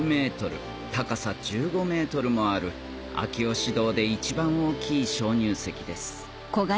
高さ１５ｍもある秋芳洞で一番大きい鍾乳石です